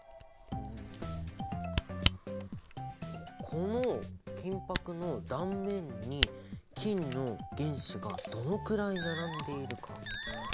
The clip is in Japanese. この金ぱくの断面に金の原子がどのくらい並んでいるか。